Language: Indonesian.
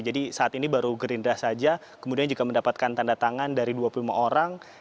jadi saat ini baru gerindra saja kemudian juga mendapatkan tanda tangan dari dua puluh lima orang